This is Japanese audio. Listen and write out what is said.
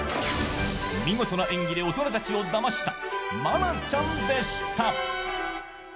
見事な演技で大人たちをだました愛菜ちゃんでした。